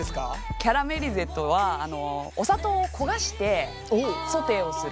キャラメリゼとはお砂糖を焦がしてソテーをする。